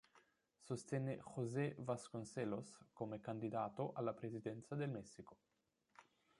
Sostenne José Vasconcelos come candidato alla Presidenza del Messico.